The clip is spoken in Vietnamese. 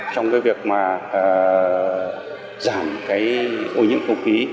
trong cái việc mà giảm cái ổn nhẫn không khí